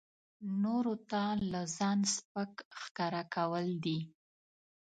نورو ته لا ځان سپک ښکاره کول دي.